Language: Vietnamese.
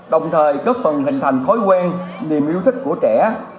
đồng thời góp phần hình thành thói quen niềm yêu thích của trẻ